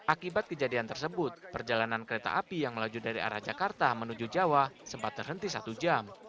akibat kejadian tersebut perjalanan kereta api yang melaju dari arah jakarta menuju jawa sempat terhenti satu jam